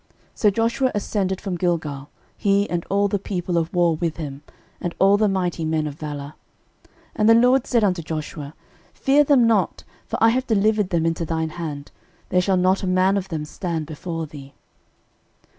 06:010:007 So Joshua ascended from Gilgal, he, and all the people of war with him, and all the mighty men of valour. 06:010:008 And the LORD said unto Joshua, Fear them not: for I have delivered them into thine hand; there shall not a man of them stand before thee.